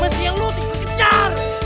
masih yang lo ikut kejar